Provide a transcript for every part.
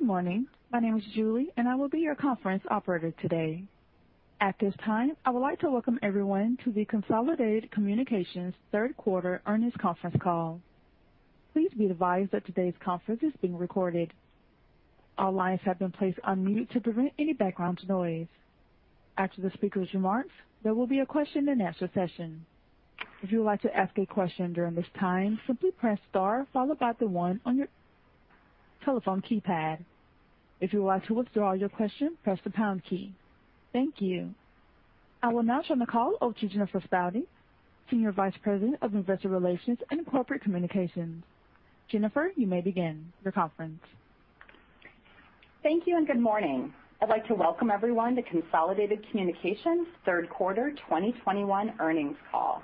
Good morning. My name is Julie, and I will be your conference operator today. At this time, I would like to welcome everyone to the Consolidated Communications Third Quarter Earnings Conference Call. Please be advised that today's conference is being recorded. All lines have been placed on mute to prevent any background noise. After the speaker's remarks, there will be a question-and-answer session. If you would like to ask a question during this time, simply press star followed by the one on your telephone keypad. If you would like to withdraw your question, press the pound key. Thank you. I will now turn the call over to Jennifer Spaude, Senior Vice President of Investor Relations and Corporate Communications. Jennifer, you may begin your conference. Thank you and good morning. I'd like to welcome everyone to Consolidated Communications Third Quarter 2021 Earnings Call.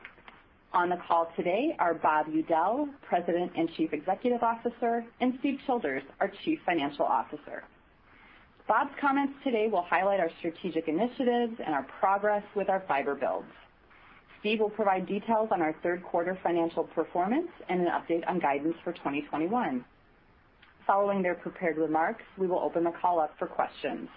On the call today are Bob Udell, President and Chief Executive Officer, and Steve Childers, our Chief Financial Officer. Bob's comments today will highlight our strategic initiatives and our progress with our fiber builds. Steve will provide details on our third quarter financial performance and an update on guidance for 2021. Following their prepared remarks, we will open the call up for questions.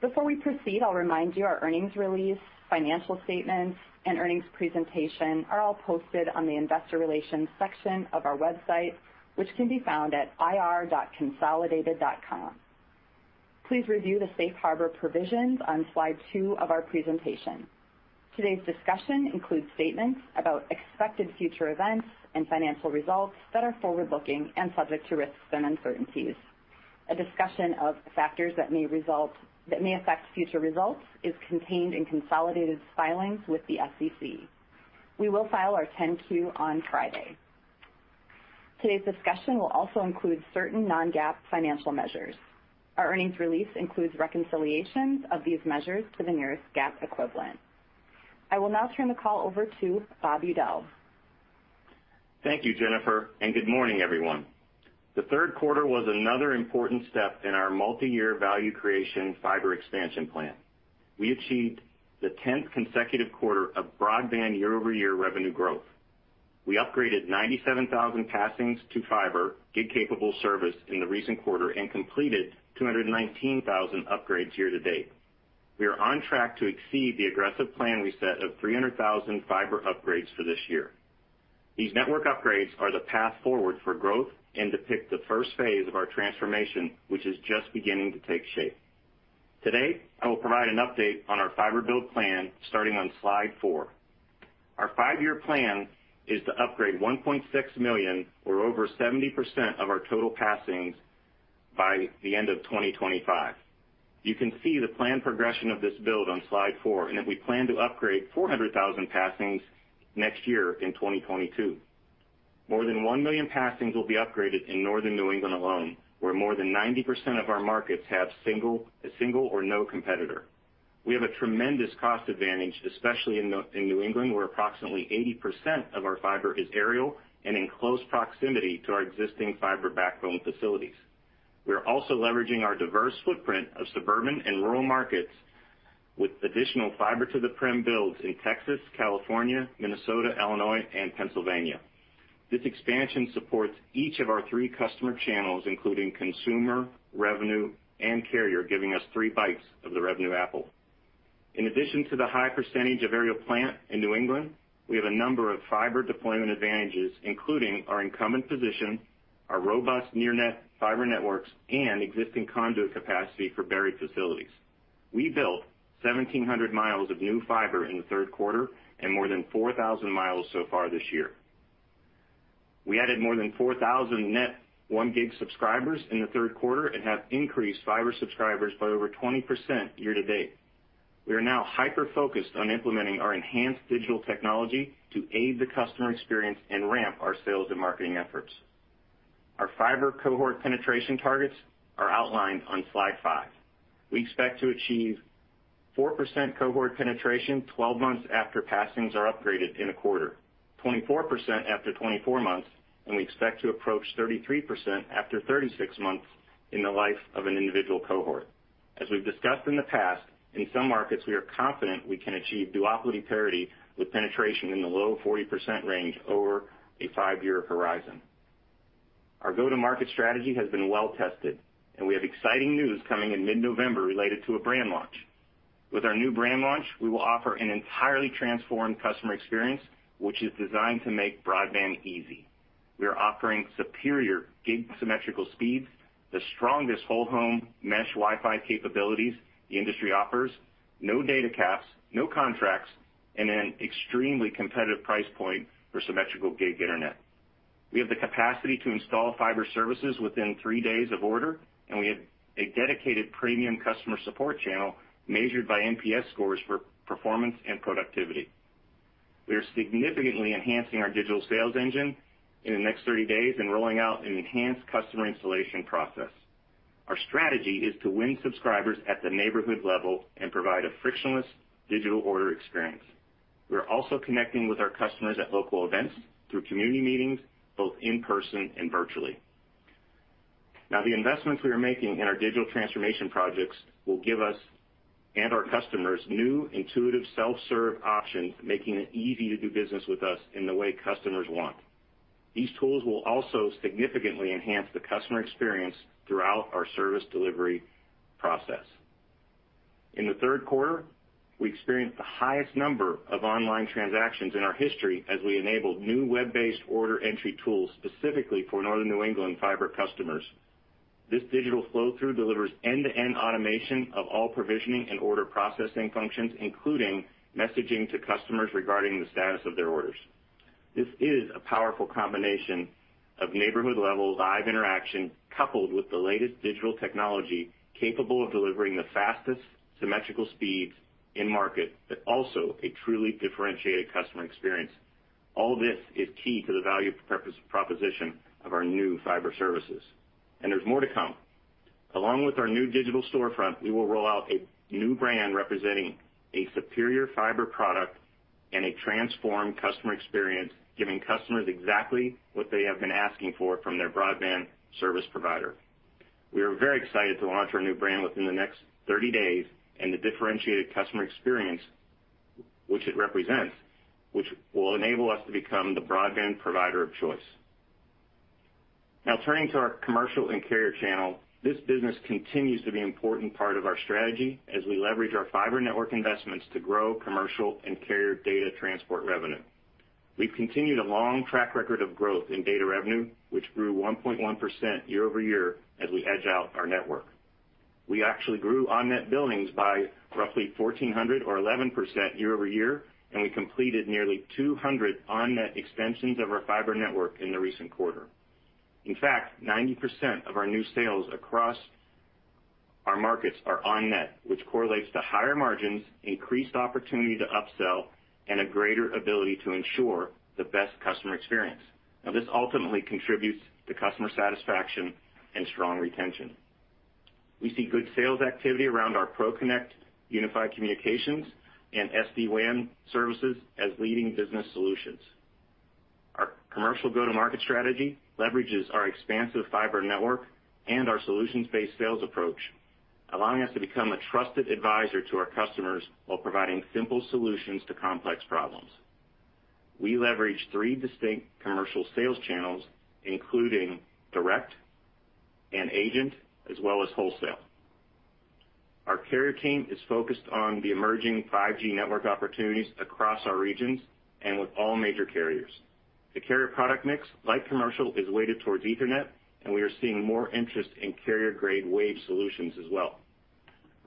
Before we proceed, I'll remind you our earnings release, financial statements, and earnings presentation are all posted on the investor relations section of our website, which can be found at ir.consolidated.com. Please review the safe harbor provisions on slide two of our presentation. Today's discussion includes statements about expected future events and financial results that are forward-looking and subject to risks and uncertainties. A discussion of factors that may affect future results is contained in Consolidated's filings with the SEC. We will file our 10-Q on Friday. Today's discussion will also include certain non-GAAP financial measures. Our earnings release includes reconciliations of these measures to the nearest GAAP equivalent. I will now turn the call over to Bob Udell. Thank you, Jennifer, and good morning, everyone. The third quarter was another important step in our multiyear value creation fiber expansion plan. We achieved the 10th consecutive quarter of broadband year-over-year revenue growth. We upgraded 97,000 passings to fiber gig-capable service in the recent quarter and completed 219,000 upgrades year to date. We are on track to exceed the aggressive plan we set of 300,000 fiber upgrades for this year. These network upgrades are the path forward for growth and depict the first phase of our transformation, which is just beginning to take shape. Today, I will provide an update on our fiber build plan starting on slide four. Our five-year plan is to upgrade 1.6 million or over 70% of our total passings by the end of 2025. You can see the planned progression of this build on slide four, and that we plan to upgrade 400,000 passings next year in 2022. More than 1 million passings will be upgraded in Northern New England alone, where more than 90% of our markets have a single or no competitor. We have a tremendous cost advantage, especially in New England, where approximately 80% of our fiber is aerial and in close proximity to our existing fiber backbone facilities. We are also leveraging our diverse footprint of suburban and rural markets with additional fiber to the prem builds in Texas, California, Minnesota, Illinois, and Pennsylvania. This expansion supports each of our three customer channels, including consumer, revenue, and carrier, giving us three bites of the revenue apple. In addition to the high percentage of aerial plant in New England, we have a number of fiber deployment advantages, including our incumbent position, our robust near net fiber networks, and existing conduit capacity for buried facilities. We built 1,700 miles of new fiber in the third quarter and more than 4,000 miles so far this year. We added more than 4,000 net 1 gig subscribers in the third quarter and have increased fiber subscribers by over 20% year to date. We are now hyper-focused on implementing our enhanced digital technology to aid the customer experience and ramp our sales and marketing efforts. Our fiber cohort penetration targets are outlined on slide five. We expect to achieve 4% cohort penetration 12 months after passings are upgraded in a quarter, 24% after 24 months, and we expect to approach 33% after 36 months in the life of an individual cohort. As we've discussed in the past, in some markets, we are confident we can achieve duopoly parity with penetration in the low 40% range over a five-year horizon. Our go-to-market strategy has been well tested, and we have exciting news coming in mid-November related to a brand launch. With our new brand launch, we will offer an entirely transformed customer experience, which is designed to make broadband easy. We are offering superior gig symmetrical speeds, the strongest whole home mesh Wi-Fi capabilities the industry offers, no data caps, no contracts, and an extremely competitive price point for symmetrical gig internet. We have the capacity to install fiber services within three days of order, and we have a dedicated premium customer support channel measured by NPS scores for performance and productivity. We are significantly enhancing our digital sales engine in the next 30 days and rolling out an enhanced customer installation process. Our strategy is to win subscribers at the neighborhood level and provide a frictionless digital order experience. We are also connecting with our customers at local events through community meetings, both in person and virtually. Now the investments we are making in our digital transformation projects will give us and our customers new intuitive self-serve options, making it easy to do business with us in the way customers want. These tools will also significantly enhance the customer experience throughout our service delivery process. In the third quarter, we experienced the highest number of online transactions in our history as we enabled new web-based order entry tools specifically for Northern New England fiber customers. This digital flow through delivers end-to-end automation of all provisioning and order processing functions, including messaging to customers regarding the status of their orders. This is a powerful combination of neighborhood-level live interaction coupled with the latest digital technology capable of delivering the fastest symmetrical speeds in market, but also a truly differentiated customer experience. All this is key to the value proposition of our new fiber services. There's more to come. Along with our new digital storefront, we will roll out a new brand representing a superior fiber product and a transformed customer experience, giving customers exactly what they have been asking for from their broadband service provider. We are very excited to launch our new brand within the next 30 days and the differentiated customer experience, which it represents, which will enable us to become the broadband provider of choice. Now turning to our commercial and carrier channel. This business continues to be an important part of our strategy as we leverage our fiber network investments to grow commercial and carrier data transport revenue. We've continued a long track record of growth in data revenue, which grew 1.1% year-over-year as we edge out our network. We actually grew on net billings by roughly 1,400 or 11% year-over-year, and we completed nearly 200 on net expansions of our fiber network in the recent quarter. In fact, 90% of our new sales across our markets are on net, which correlates to higher margins, increased opportunity to upsell, and a greater ability to ensure the best customer experience. Now, this ultimately contributes to customer satisfaction and strong retention. We see good sales activity around our ProConnect Unified Communications and SD-WAN services as leading business solutions. Our commercial go-to-market strategy leverages our expansive fiber network and our solutions-based sales approach, allowing us to become a trusted advisor to our customers while providing simple solutions to complex problems. We leverage three distinct commercial sales channels, including direct and agent, as well as wholesale. Our carrier team is focused on the emerging 5G network opportunities across our regions and with all major carriers. The carrier product mix, like commercial, is weighted towards Ethernet, and we are seeing more interest in carrier-grade Wave solutions as well.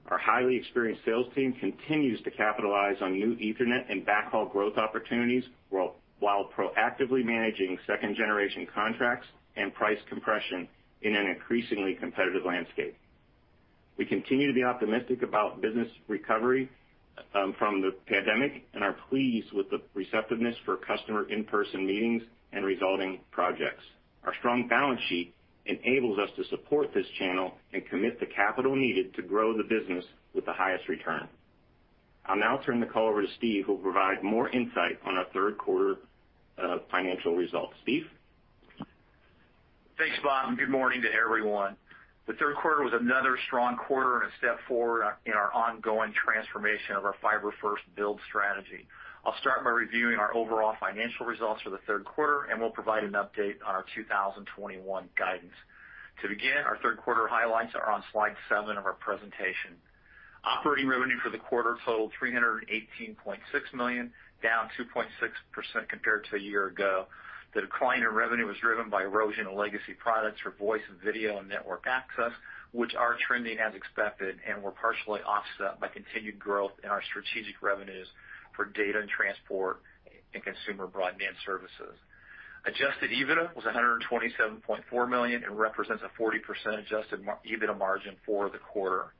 Our highly experienced sales team continues to capitalize on new Ethernet and backhaul growth opportunities, while proactively managing second-generation contracts and price compression in an increasingly competitive landscape. We continue to be optimistic about business recovery from the pandemic and are pleased with the receptiveness for customer in-person meetings and resulting projects. Our strong balance sheet enables us to support this channel and commit the capital needed to grow the business with the highest return. I'll now turn the call over to Steve, who will provide more insight on our third quarter financial results. Steve? Thanks, Bob, and good morning to everyone. The third quarter was another strong quarter and a step forward in our ongoing transformation of our fiber-first build strategy. I'll start by reviewing our overall financial results for the third quarter, and we'll provide an update on our 2021 guidance. To begin, our third quarter highlights are on slide seven of our presentation. Operating revenue for the quarter totaled $318.6 million, down 2.6% compared to a year ago. The decline in revenue was driven by erosion of legacy products for voice and video and network access, which are trending as expected and were partially offset by continued growth in our strategic revenues for data and transport and consumer broadband services. Adjusted EBITDA was $127.4 million and represents a 40% adjusted EBITDA margin for the quarter.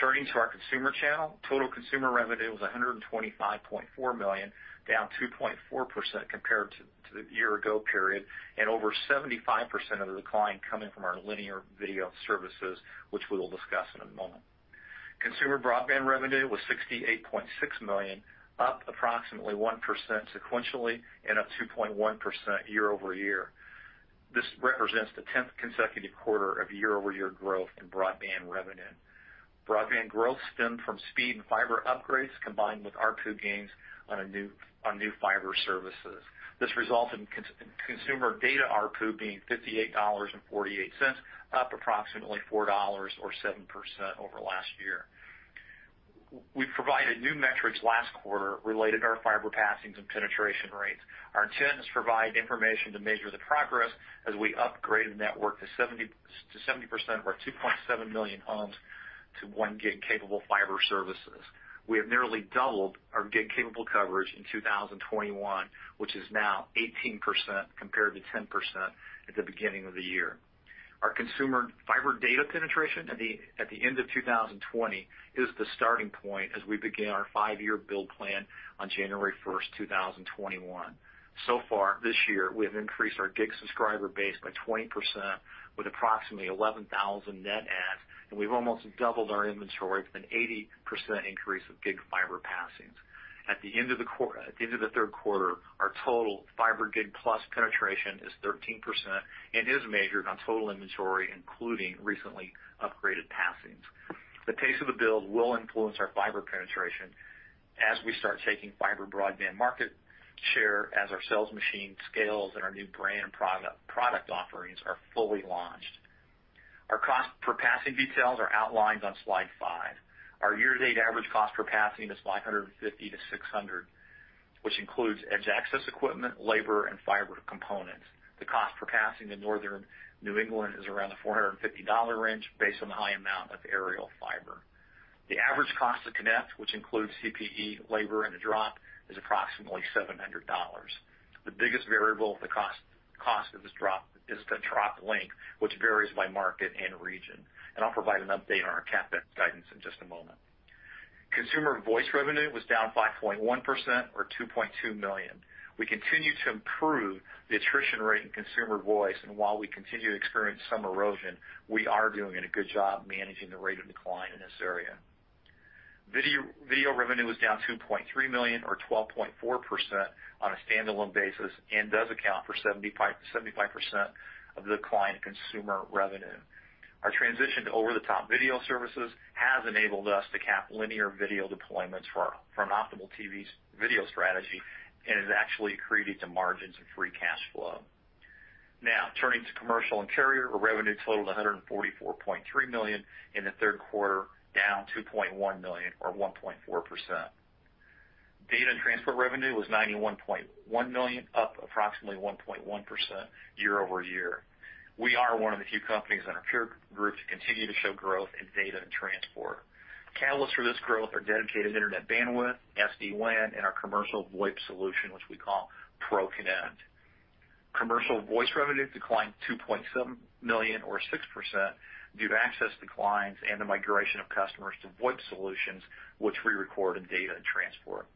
Turning to our consumer channel, total consumer revenue was $125.4 million, down 2.4% compared to the year ago period, and over 75% of the decline coming from our linear video services, which we will discuss in a moment. Consumer broadband revenue was $68.6 million, up approximately 1% sequentially and up 2.1% year-over-year. This represents the tenth consecutive quarter of year-over-year growth in broadband revenue. Broadband growth stemmed from speed and fiber upgrades combined with ARPU gains on new fiber services. This results in consumer data ARPU being $58.48, up approximately $4 or 7% over last year. We provided new metrics last quarter related to our fiber passings and penetration rates. Our intent is to provide information to measure the progress as we upgrade the network to 70% of our 2.7 million homes to 1 gig-capable fiber services. We have nearly doubled our gig-capable coverage in 2021, which is now 18% compared to 10% at the beginning of the year. Our consumer fiber data penetration at the end of 2020 is the starting point as we begin our five-year build plan on January 1st, 2021. So far this year, we have increased our gig subscriber base by 20% with approximately 11,000 net adds, and we've almost doubled our inventory with an 80% increase of gig fiber passings. At the end of the third quarter, our total fiber gig plus penetration is 13% and is measured on total inventory, including recently upgraded passings. The pace of the build will influence our fiber penetration as we start taking fiber broadband market share as our sales machine scales and our new brand product offerings are fully launched. Our cost per passing details are outlined on slide five. Our year-to-date average cost per passing is $550-$600, which includes edge access equipment, labor, and fiber components. The cost per passing in northern New England is around the $450 range based on the high amount of aerial fiber. The average cost to connect, which includes CPE, labor, and the drop, is approximately $700. The biggest variable of the cost of this drop is the drop length, which varies by market and region. I'll provide an update on our CapEx guidance in just a moment. Consumer voice revenue was down 5.1% or $2.2 million. We continue to improve the attrition rate in consumer voice, and while we continue to experience some erosion, we are doing a good job managing the rate of decline in this area. Video revenue was down $2.3 million or 12.4% on a standalone basis and does account for 75% of the client consumer revenue. Our transition to over-the-top video services has enabled us to cap linear video deployments from non optimal video strategy and is actually accreting to margins and free cash flow. Now turning to Commercial and Carrier, our revenue totaled $144.3 million in the third quarter, down $2.1 million or 1.4%. Data and Transport revenue was $91.1 million, up approximately 1.1% year-over-year. We are one of the few companies in our peer group to continue to show growth in Data and Transport. Catalysts for this growth are dedicated internet bandwidth, SD-WAN, and our commercial VoIP solution, which we call ProConnect. Commercial Voice revenue declined $2.7 million or 6% due to access declines and the migration of customers to VoIP solutions, which we record in Data and Transport.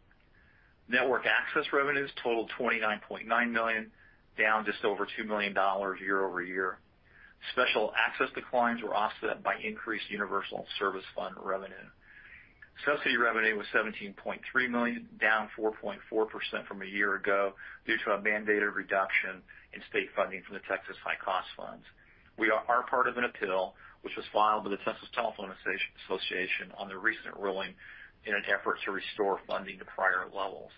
Network Access revenues totaled $29.9 million, down just over $2 million year-over-year. Special access declines were offset by increased Universal Service Fund revenue. Subsidy revenue was $17.3 million, down 4.4% from a year ago due to a mandated reduction in state funding from the Texas High Cost Funds. We are part of an appeal which was filed with the Texas Telephone Association on the recent ruling in an effort to restore funding to prior levels.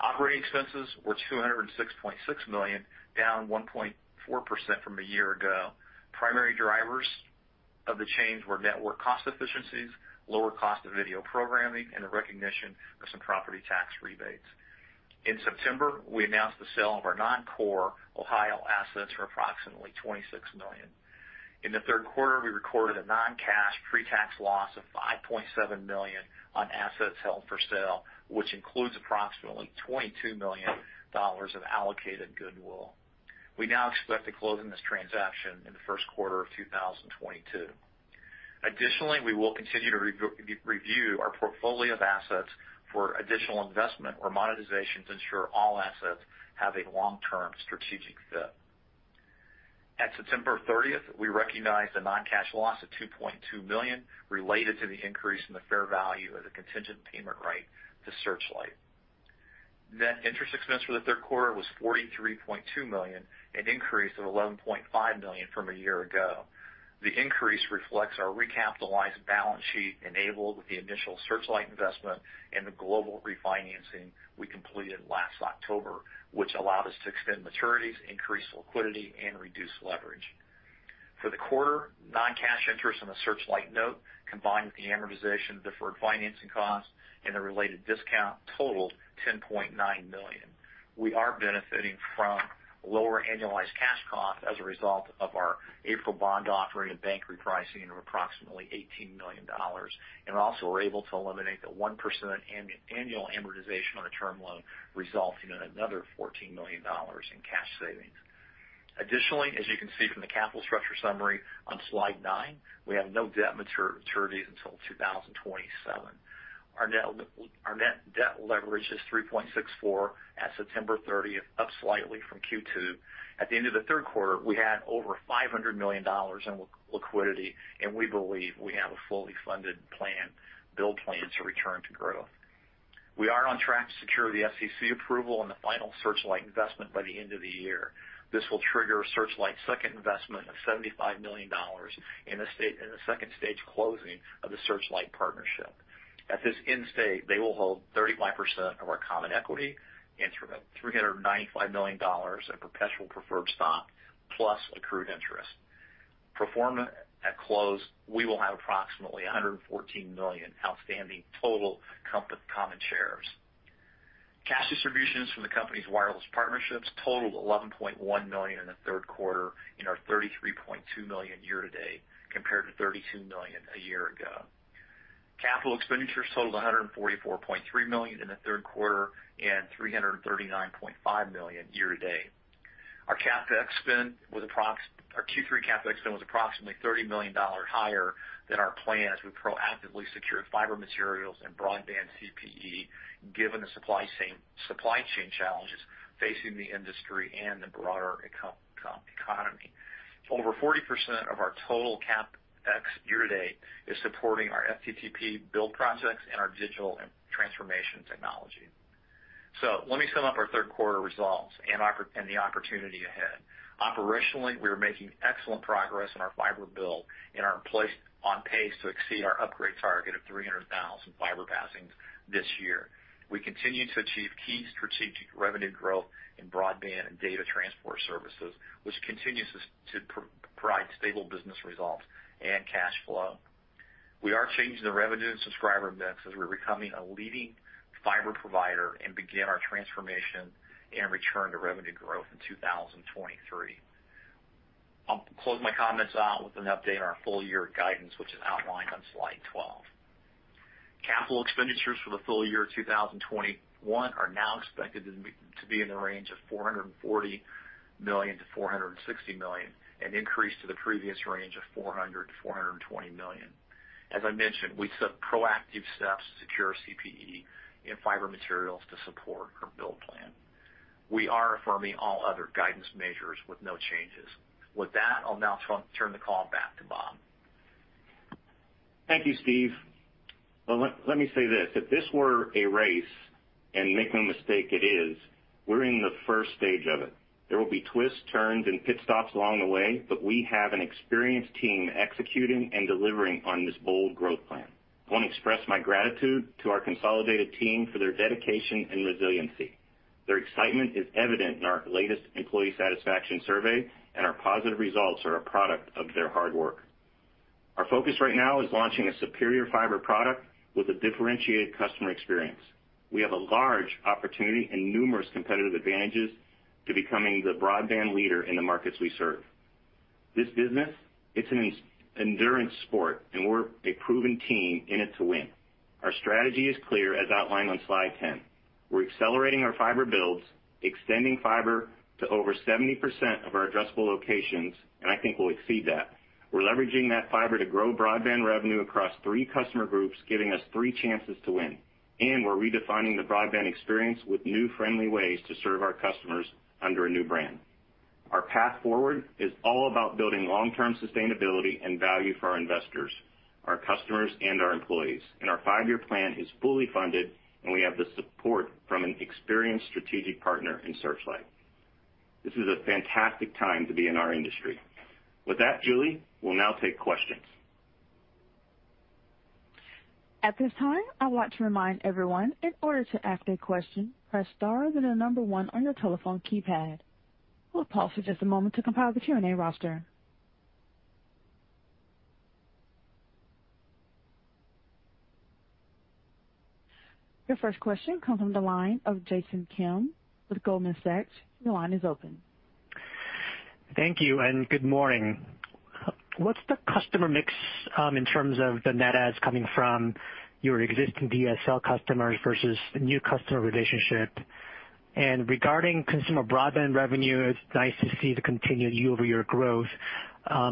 Operating expenses were $206.6 million, down 1.4% from a year ago. Primary drivers of the change were network cost efficiencies, lower cost of video programming, and the recognition of some property tax rebates. In September, we announced the sale of our non-core Ohio assets for approximately $26 million. In the third quarter, we recorded a non-cash pre-tax loss of $5.7 million on assets held for sale, which includes approximately $22 million of allocated goodwill. We now expect to close on this transaction in the first quarter of 2022. Additionally, we will continue to review our portfolio of assets for additional investment or monetization to ensure all assets have a long-term strategic fit. At September 30th, we recognized a non-cash loss of $2.2 million related to the increase in the fair value of the contingent payment right to Searchlight. Net interest expense for the third quarter was $43.2 million, an increase of $11.5 million from a year ago. The increase reflects our recapitalized balance sheet enabled with the initial Searchlight investment and the global refinancing we completed last October, which allowed us to extend maturities, increase liquidity, and reduce leverage. For the quarter, non-cash interest on the Searchlight note, combined with the amortization of deferred financing costs and the related discount totaled $10.9 million. We are benefiting from lower annualized cash costs as a result of our April bond offering and bank repricing of approximately $18 million, and also we're able to eliminate the 1% annual amortization on a term loan, resulting in another $14 million in cash savings. Additionally, as you can see from the capital structure summary on slide nine, we have no debt maturities until 2027. Our net debt leverage is 3.64 at September 30th, up slightly from Q2. At the end of the third quarter, we had over $500 million in liquidity, and we believe we have a fully funded build plan to return to growth. We are on track to secure the FCC approval on the final Searchlight investment by the end of the year. This will trigger Searchlight's second investment of $75 million in the second stage closing of the Searchlight partnership. At this end state, they will hold 35% of our common equity and $395 million of perpetual preferred stock, plus accrued interest. Pro forma at close, we will have approximately 114 million outstanding total common shares. Cash distributions from the company's wireless partnerships totaled $11.1 million in the third quarter and are $33.2 million year to date, compared to $32 million a year ago. Capital expenditures totaled $144.3 million in the third quarter and $339.5 million year to date. Our Q3 CapEx spend was approximately $30 million higher than our plan as we proactively secured fiber materials and broadband CPE, given the supply chain challenges facing the industry and the broader economy. Over 40% of our total CapEx year to date is supporting our FTTP build projects and our digital and transformation technology. Let me sum up our third quarter results and the opportunity ahead. Operationally, we are making excellent progress in our fiber build and are on pace to exceed our upgrade target of 300,000 fiber passings this year. We continue to achieve key strategic revenue growth in broadband and data transport services, which continues to provide stable business results and cash flow. We are changing the revenue and subscriber mix as we're becoming a leading fiber provider and begin our transformation and return to revenue growth in 2023. I'll close my comments out with an update on our full year guidance, which is outlined on slide 12. Capital expenditures for the full year 2021 are now expected to be in the range of $440 million-$460 million, an increase to the previous range of $400 million-$420 million. As I mentioned, we took proactive steps to secure CPE and fiber materials to support our build plan. We are affirming all other guidance measures with no changes. With that, I'll now turn the call back to Bob. Thank you, Steve. Well, let me say this, if this were a race, and make no mistake, it is, we're in the first stage of it. There will be twists, turns, and pit stops along the way, but we have an experienced team executing and delivering on this bold growth plan. I want to express my gratitude to our Consolidated team for their dedication and resiliency. Their excitement is evident in our latest employee satisfaction survey, and our positive results are a product of their hard work. Our focus right now is launching a superior fiber product with a differentiated customer experience. We have a large opportunity and numerous competitive advantages to becoming the broadband leader in the markets we serve. This business, it's an endurance sport, and we're a proven team in it to win. Our strategy is clear as outlined on slide 10. We're accelerating our fiber builds, extending fiber to over 70% of our addressable locations, and I think we'll exceed that. We're leveraging that fiber to grow broadband revenue across three customer groups, giving us three chances to win. We're redefining the broadband experience with new friendly ways to serve our customers under a new brand. Our path forward is all about building long-term sustainability and value for our investors, our customers, and our employees. Our five-year plan is fully funded, and we have the support from an experienced strategic partner in Searchlight. This is a fantastic time to be in our industry. With that, Julie, we'll now take questions. At this time, I want to remind everyone, in order to ask a question, press star, then the number one on your telephone keypad. We'll pause for just a moment to compile the Q&A roster. Your first question comes on the line of Jason Kim with Goldman Sachs. Your line is open. Thank you, and good morning. What's the customer mix in terms of the net adds coming from your existing DSL customers versus the new customer relationship? Regarding consumer broadband revenue, it's nice to see the continued year-over-year growth,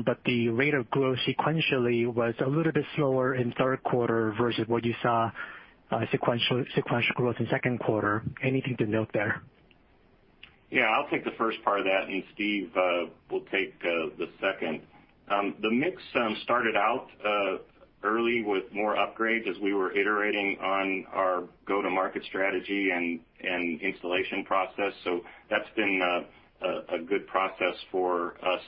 but the rate of growth sequentially was a little bit slower in third quarter versus what you saw sequential growth in second quarter. Anything to note there? Yeah. I'll take the first part of that, and Steve will take the second. The mix started out early with more upgrades as we were iterating on our go-to-market strategy and installation process. That's been a good process for us,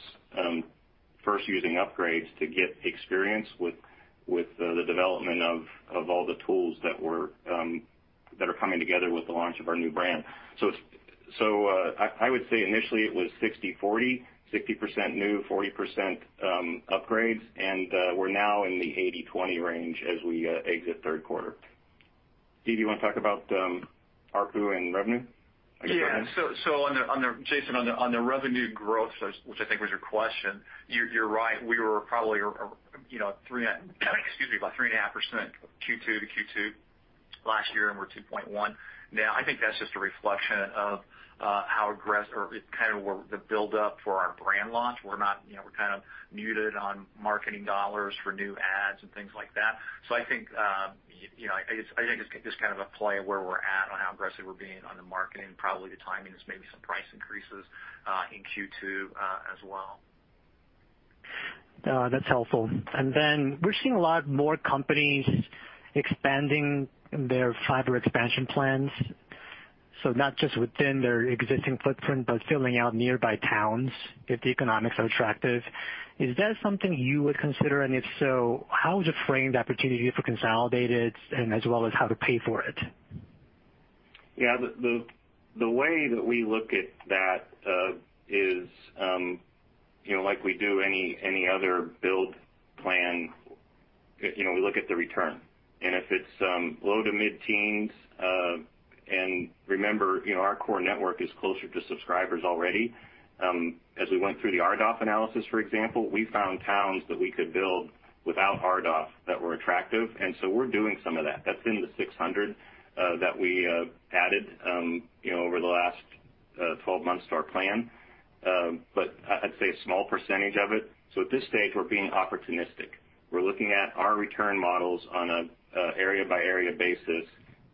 first using upgrades to get experience with the development of all the tools that are coming together with the launch of our new brand. It would say initially it was 60/40, 60% new, 40% upgrades, and we're now in the 80/20 range as we exit third quarter. Steve, you want to talk about ARPU and revenue? Yeah. Go ahead. Jason, on the revenue growth, which I think was your question, you're right. We were probably about 3.5% Q2 to Q2 last year, and we're 2.1% now. I think that's just a reflection of kind of where the buildup for our brand launch. We're kind of muted on marketing dollars for new ads and things like that. I think it's kind of a play of where we're at on how aggressive we're being on the marketing, probably the timing is maybe some price increases in Q2 as well. That's helpful. Then we're seeing a lot more companies expanding their fiber expansion plans. Not just within their existing footprint, but filling out nearby towns if the economics are attractive. Is that something you would consider? If so, how would you frame the opportunity for Consolidated as well as how to pay for it? Yeah. The way that we look at that is, you know, like we do any other build plan, you know, we look at the return. If it's low to mid-teens, and remember, you know, our core network is closer to subscribers already. As we went through the RDOF analysis, for example, we found towns that we could build without RDOF that were attractive, and so we're doing some of that. That's in the 600 that we added, you know, over the last 12 months to our plan. But I'd say a small percentage of it. At this stage, we're being opportunistic. We're looking at our return models on a area-by-area basis,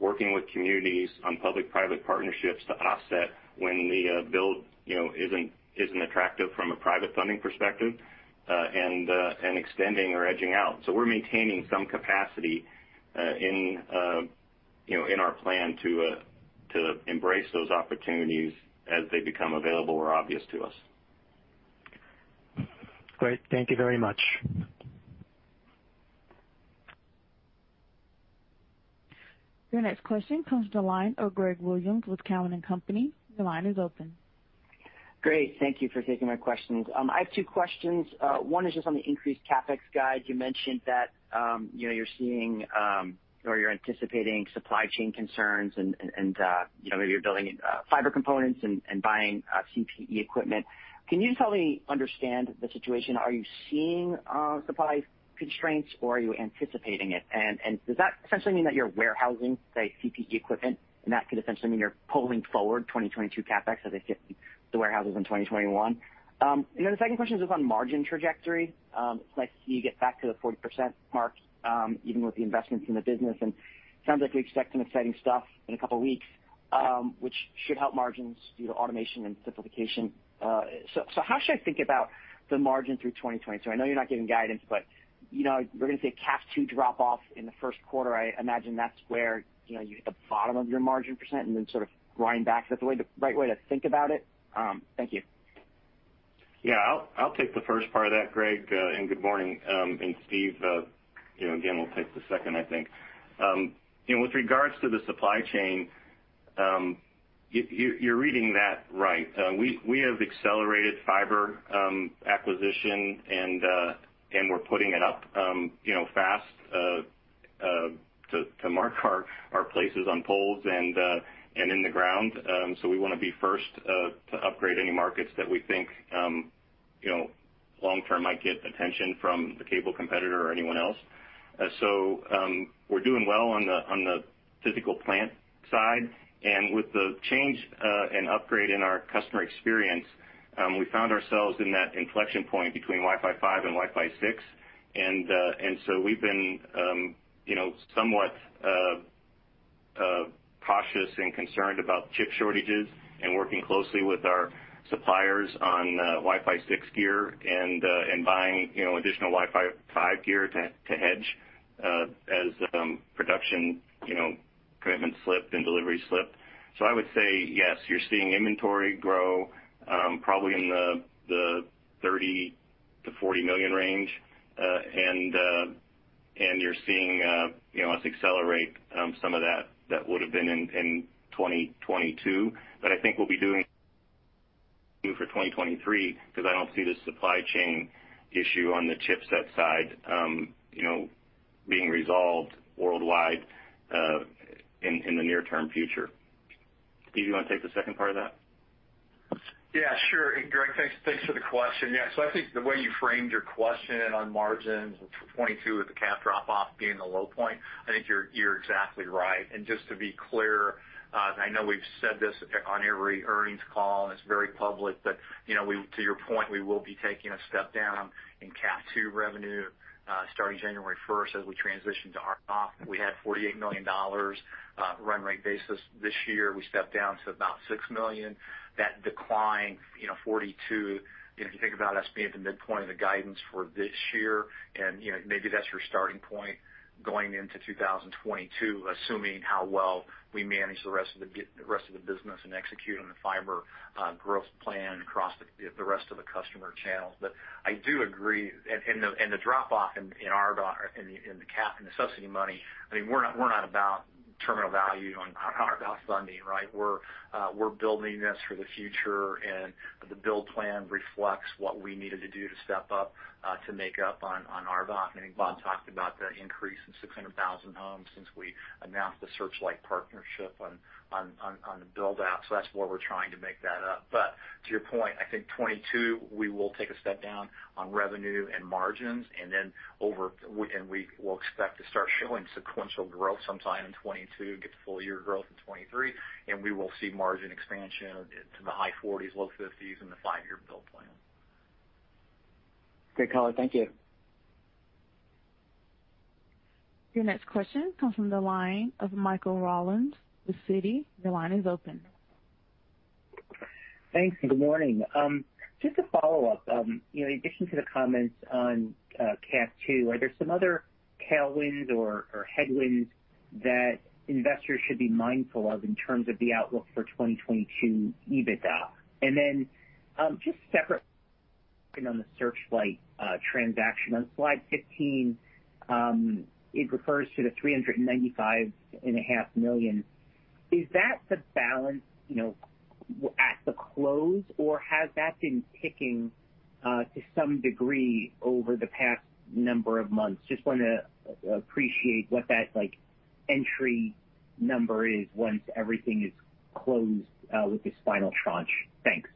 working with communities on public-private partnerships to offset when the build, you know, isn't attractive from a private funding perspective, and extending or edging out. We're maintaining some capacity in our plan to embrace those opportunities as they become available or obvious to us. Great. Thank you very much. Your next question comes to the line of Greg Williams with Cowen and Company. Your line is open. Great. Thank you for taking my questions. I have two questions. One is just on the increased CapEx guide. You mentioned that, you know, you're seeing, or you're anticipating supply chain concerns and, you know, maybe you're building, fiber components and, buying, CPE equipment. Can you help me understand the situation? Are you seeing, supply constraints, or are you anticipating it? And, does that essentially mean that you're warehousing, say, CPE equipment, and that could essentially mean you're pulling forward 2022 CapEx as it gets to the warehouses in 2021? And then the second question is just on margin trajectory. It's nice to see you get back to the 40% mark, even with the investments in the business, and it sounds like we expect some exciting stuff in a couple weeks, which should help margins due to automation and simplification. So how should I think about the margin through 2022? I know you're not giving guidance, but, you know, we're gonna see a CAF II drop-off in the first quarter. I imagine that's where, you know, you hit the bottom of your margin % and then sort of grind back. Is that the right way to think about it? Thank you. Yeah. I'll take the first part of that, Greg, and good morning. Steve, you know, again, will take the second, I think. You know, with regards to the supply chain, you're reading that right. We have accelerated fiber acquisition and we're putting it up, you know, fast, to mark our places on poles and in the ground. We want to be first to upgrade any markets that we think, you know, long term might get attention from the cable competitor or anyone else. We're doing well on the physical plant side. With the change and upgrade in our customer experience, we found ourselves in that inflection point between Wi-Fi 5 and Wi-Fi 6. We've been you know somewhat cautious and concerned about chip shortages and working closely with our suppliers on Wi-Fi 6 gear and buying you know additional Wi-Fi 5 gear to hedge as production you know commitments slipped and delivery slipped. I would say, yes, you're seeing inventory grow probably in the $30 million-$40 million range. You're seeing you know us accelerate some of that that would have been in 2022. I think we'll be doing for 2023, 'cause I don't see the supply chain issue on the chipset side you know being resolved worldwide in the near-term future. Steve, do you wanna take the second part of that? Yeah, sure. Greg, thanks for the question. Yeah. I think the way you framed your question on margins for 2022 with the CAF II drop-off being the low point, I think you're exactly right. Just to be clear, I know we've said this on every earnings call, and it's very public, but you know, to your point, we will be taking a step down in CAF II revenue starting January first as we transition to RDOF. We had $48 million run rate basis this year. We stepped down to about $6 million. That decline, you know, 42, you know, if you think about us being at the midpoint of the guidance for this year and, you know, maybe that's your starting point going into 2022, assuming how well we manage the rest of the business and execute on the fiber growth plan across the rest of the customer channels. I do agree. The drop-off in RDOF, in the CAF, in the subsidy money, I mean, we're not about terminal value on RDOF funding, right? We're building this for the future, and the build plan reflects what we needed to do to step up to make up on RDOF. I think Bob talked about the increase in 600,000 homes since we announced the Searchlight partnership on the build-out. That's where we're trying to make that up. To your point, I think 2022, we will take a step down on revenue and margins and then we will expect to start showing sequential growth sometime in 2022, get to full year growth in 2023, and we will see margin expansion to the high 40s%, low 50s% in the five-year build plan. Great call. Thank you. Your next question comes from the line of Michael Rollins with Citi. Your line is open. Thanks, and good morning. Just to follow up, you know, in addition to the comments on CAF II, are there some other tailwinds or headwinds that investors should be mindful of in terms of the outlook for 2022 EBITDA? Just separate on the Searchlight transaction. On slide 15, it refers to the $395.5 million. Is that the balance, you know, at the close, or has that been ticking to some degree over the past number of months? Just wanna appreciate what that, like, entry number is once everything is closed with this final tranche. Thanks.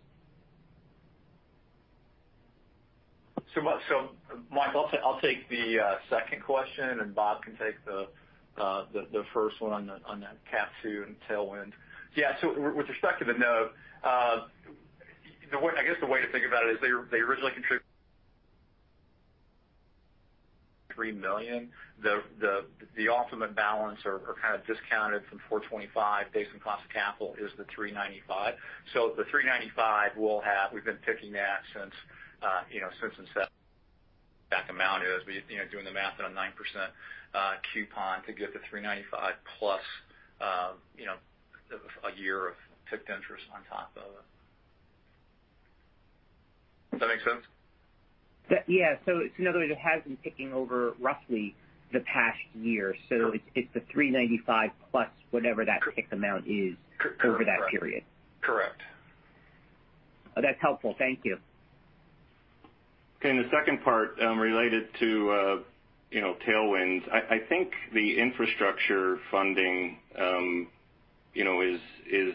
Michael, I'll take the second question, and Bob can take the first one on the CAF II and tailwind. With respect to the note, I guess the way to think about it is they originally contributed $3 million. The ultimate balance or kind of discounted from $425 based on cost of capital is the $395. The $395, we've been accruing that since, you know, since inception. That amount is, you know, doing the math at a 9% coupon to get the $395 plus, you know, a year of PIK interest on top of it. Does that make sense? Yeah. In other words, it has been PIKing over roughly the past year. It's the $395 plus whatever that PIK amount is over that period. Correct. That's helpful. Thank you. Okay. The second part, related to, you know, tailwinds. I think the infrastructure funding, you know, is,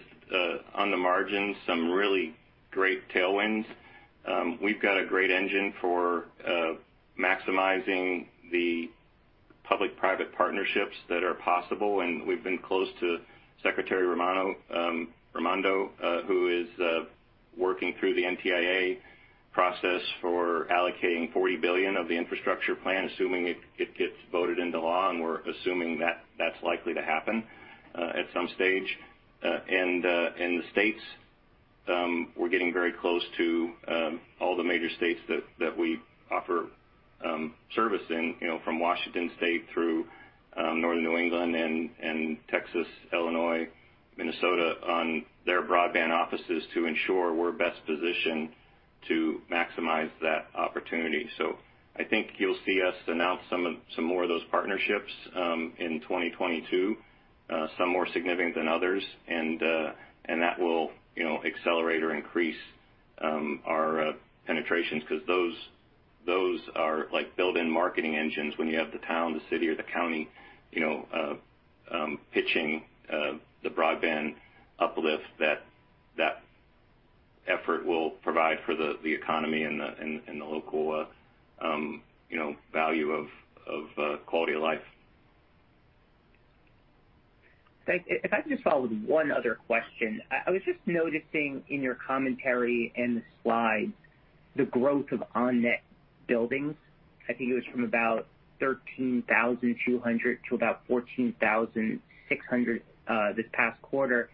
on the margin, some really great tailwinds. We've got a great engine for, maximizing the public-private partnerships that are possible, and we've been close to Secretary Raimondo, who is, working through the NTIA process for allocating $40 billion of the infrastructure plan, assuming it gets voted into law, and we're assuming that that's likely to happen, at some stage. In the States, we're getting very close to, all the major states that we offer, service in, you know, from Washington State through, Northern New England and Texas, Illinois, Minnesota on their broadband offices to ensure we're best positioned to maximize that opportunity. I think you'll see us announce some more of those partnerships in 2022, some more significant than others. That will, you know, accelerate or increase our penetrations because those are like built-in marketing engines when you have the town, the city or the county, you know, pitching the broadband uplift that that effort will provide for the economy and the local value of quality of life. If I could just follow with one other question. I was just noticing in your commentary and the slides, the growth of on-net buildings. I think it was from about 13,200 to about 14,600 this past quarter.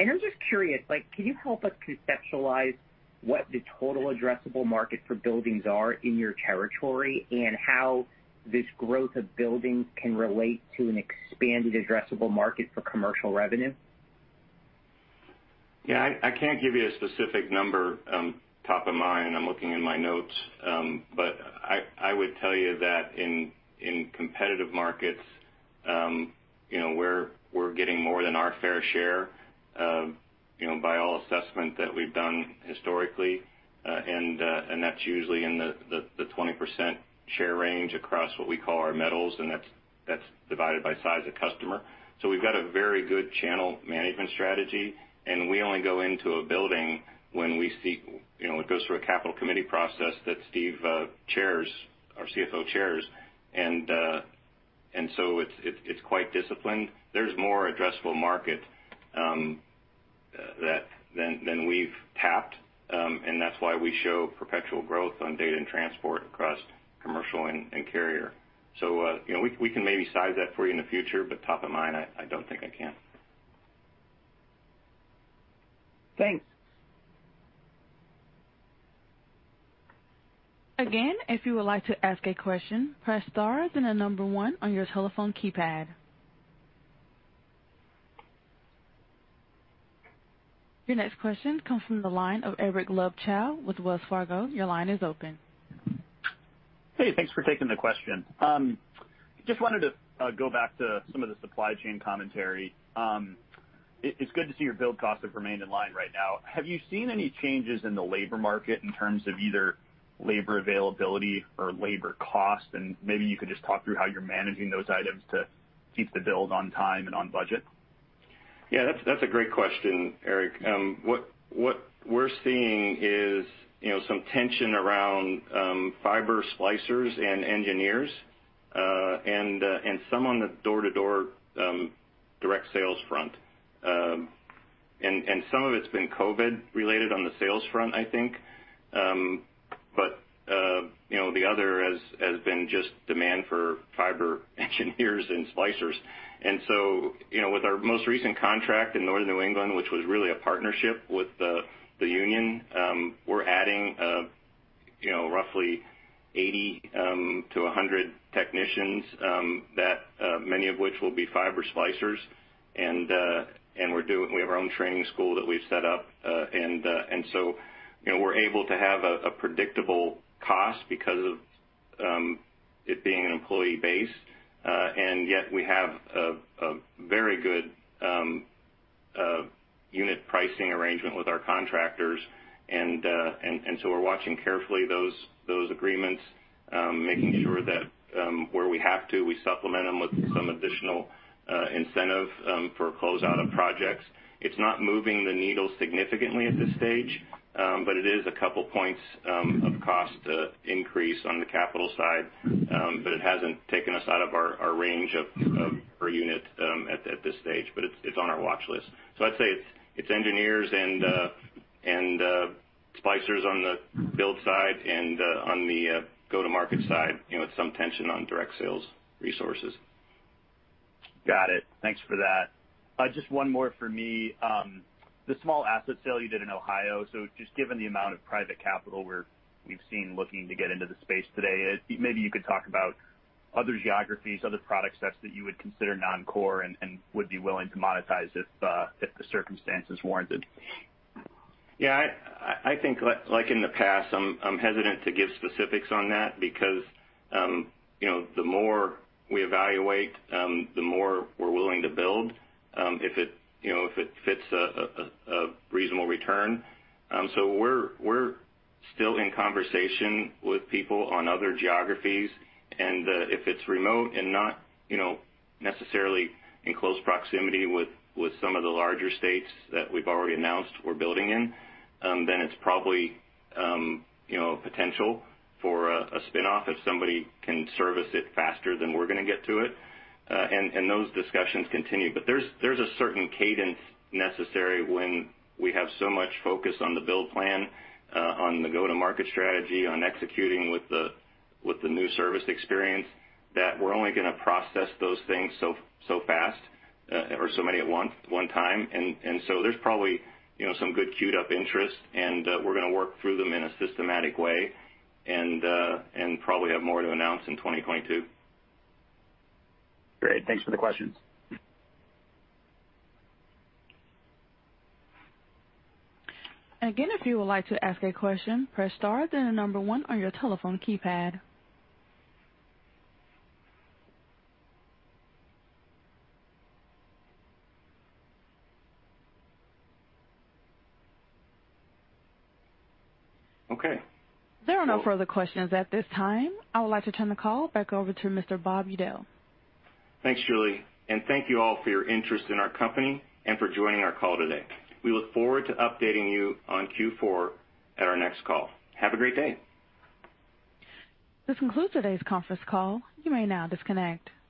I'm just curious, like, can you help us conceptualize what the total addressable market for buildings are in your territory and how this growth of buildings can relate to an expanded addressable market for commercial revenue? Yeah. I can't give you a specific number top of mind. I'm looking in my notes. I would tell you that in competitive markets, you know, we're getting more than our fair share, you know, by all assessment that we've done historically. That's usually in the 20% share range across what we call our metals, and that's divided by size of customer. We've got a very good channel management strategy, and we only go into a building when we see, you know, it goes through a capital committee process that Steve, our CFO, chairs. It's quite disciplined. There's more addressable market than we've tapped, and that's why we show perpetual growth on data and transport across commercial and carrier. You know, we can maybe size that for you in the future, but top of mind, I don't think I can. Thanks. Again, if you would like to ask a question, press star, then the number one on your telephone keypad. Your next question comes from the line of Eric Luebchow with Wells Fargo. Your line is open. Hey, thanks for taking the question. Just wanted to go back to some of the supply chain commentary. It's good to see your build costs have remained in line right now. Have you seen any changes in the labor market in terms of either labor availability or labor cost? Maybe you could just talk through how you're managing those items to keep the build on time and on budget. Yeah, that's a great question, Eric. What we're seeing is you know, some tension around fiber splicers and engineers and some on the door-to-door direct sales front. Some of it's been COVID related on the sales front, I think. You know, the other has been just demand for fiber engineers and splicers. You know, with our most recent contract in Northern New England, which was really a partnership with the union, we're adding you know, roughly 80-100 technicians that many of which will be fiber splicers. We have our own training school that we've set up. You know, we're able to have a predictable cost because of it being an employee base. Yet we have a very good unit pricing arrangement with our contractors. We're watching carefully those agreements, making sure that where we have to, we supplement them with some additional incentive for closeout of projects. It's not moving the needle significantly at this stage, but it is a couple points of cost increase on the capital side, but it hasn't taken us out of our range of per unit at this stage, but it's on our watch list. I'd say it's engineers and splicers on the build side and on the go-to-market side, you know, with some tension on direct sales resources. Got it. Thanks for that. Just one more for me. The small asset sale you did in Ohio, so just given the amount of private capital we've seen looking to get into the space today, maybe you could talk about other geographies, other product sets that you would consider non-core and would be willing to monetize if the circumstances warranted. Yeah, I think like in the past, I'm hesitant to give specifics on that because, you know, the more we evaluate, the more we're willing to build, if it, you know, if it fits a reasonable return. We're still in conversation with people on other geographies. If it's remote and not, you know, necessarily in close proximity with some of the larger states that we've already announced we're building in, then it's probably, you know, potential for a spin-off if somebody can service it faster than we're gonna get to it. Those discussions continue. There's a certain cadence necessary when we have so much focus on the build plan, on the go-to-market strategy, on executing with the new service experience, that we're only gonna process those things so fast, or so many at once one time. So there's probably, you know, some good queued up interest, and we're gonna work through them in a systematic way and probably have more to announce in 2022. Great. Thanks for the questions. Again, if you would like to ask a question, press star then the number one on your telephone keypad. Okay. There are no further questions at this time. I would like to turn the call back over to Mr. Bob Udell. Thanks, Julie. Thank you all for your interest in our company and for joining our call today. We look forward to updating you on Q4 at our next call. Have a great day. This concludes today's conference call. You may now disconnect.